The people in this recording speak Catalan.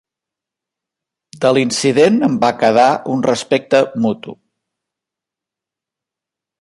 De l'incident en va quedar un respecte mutu.